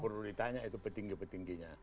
perlu ditanya itu petinggi petingginya